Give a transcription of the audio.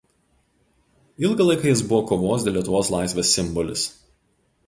Ilgą laiką jis buvo kovos dėl Lietuvos laisvės simbolis.